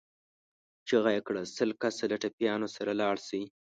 چيغه يې کړه! سل کسه له ټپيانو سره لاړ شئ.